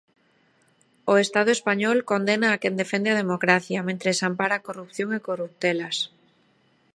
O estado español condena a quen defende a democracia, mentres ampara corrupción e corruptelas.